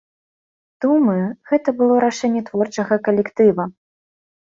Думаю, гэта было рашэнне творчага калектыва.